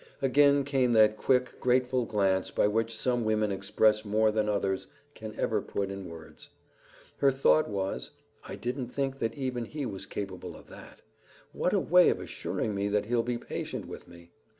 Again came that quick, grateful glance by which some women express more than others can ever put in words. Her thought was, "I didn't think that even he was capable of that. What a way of assuring me that he'll be patient with me!"